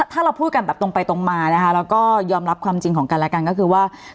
ถ้าเราพูดกันแบบตรงไปตรงมานะคะแล้วก็ยอมรับความจริงของกันและกันก็คือว่า